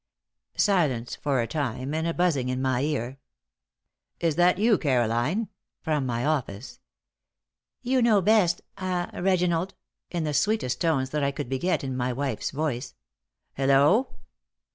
Silence for a time and a buzzing in my ear. "Is that you, Caroline?" from my office. "You know best ah Reginald," in the sweetest tones that I could beget in my wife's voice. "Hello!"